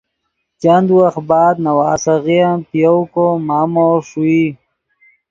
چند وخت بعد نواسیغے ام پے یؤ کو مامو ݰوئی